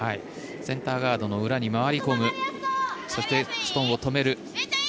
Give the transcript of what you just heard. センターガードの裏に回り込むそして、ストーンを止める。